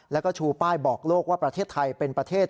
แล้วก็ชูป้ายบอกโลกว่าประเทศไทยเป็นประเทศ